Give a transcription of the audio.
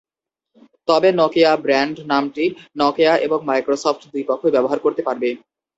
তবে Nokia brand নামটি Nokia এবং মাইক্রোসফট দুই পক্ষই ব্যবহার করতে পারবে।